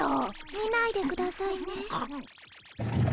見ないでくださいね。